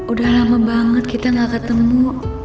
udah lama banget kita gak ketemu